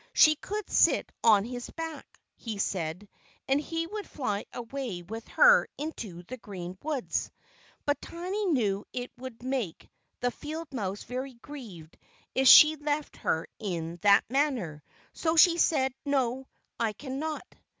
She could sit on his back, he said, and he would fly away with her into the green woods. But Tiny knew it would make the field mouse very grieved if she left her in that manner, so she said: "No, I cannot."